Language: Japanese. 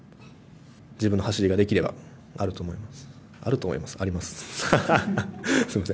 自分の走りができればあると思います。